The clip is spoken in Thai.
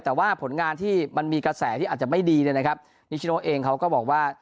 แต่ว่าผลงานที่มันมีกระแสที่อาจจะไม่ดีเนี่ยนะครับนิชโนเองเขาก็บอกว่า